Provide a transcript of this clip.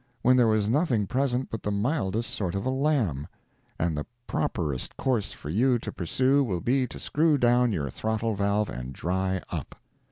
when there was nothing present but the mildest sort of a lamb; and the properest course for you to pursue will be to screw down your throttle valve and dry up.